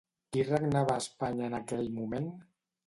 Qui regnava a Espanya en aquell moment?